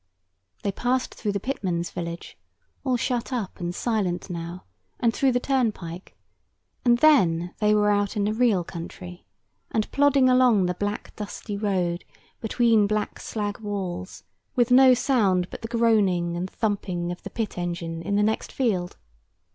They passed through the pitmen's village, all shut up and silent now, and through the turnpike; and then the were out in the real country, and plodding along the black dusty road, between black slag walls, with no sound but the groaning and thumping of the pit engine in the next field.